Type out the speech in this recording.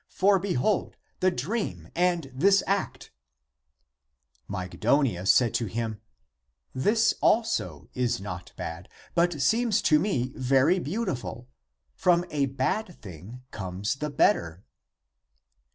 For behold, the dream and this act !" Mygdonia said to him, " This also is not bad, but seems to me very beautiful: from a bad thing comes the better."